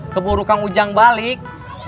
keburu kang ujang balik